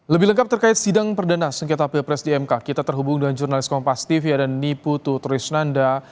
lebih lengkap terkait sidang perdana sengketa pilpres di mk kita terhubung dengan jurnalis kompas tv ada niputurisnanda